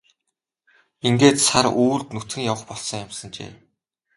Ингээд сар үүрд нүцгэн явах болсон юмсанжээ.